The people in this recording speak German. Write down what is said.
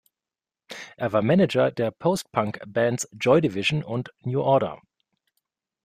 Er war Manager der Post-Punk-Bands Joy Division und New Order.